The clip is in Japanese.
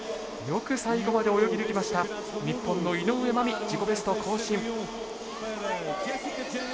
よく最後まで泳ぎ抜きました、日本の井上舞美自己ベスト更新。